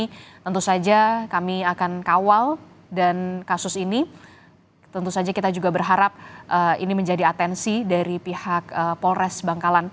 ini tentu saja kami akan kawal dan kasus ini tentu saja kita juga berharap ini menjadi atensi dari pihak polres bangkalan